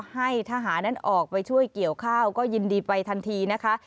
ให้ทหารนั้นออกไปช่วยเกี่ยวข้าวก็ยินดีไปทันทีนะคะ